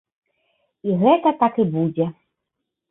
І гэта так і будзе.